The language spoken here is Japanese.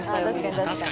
確かに。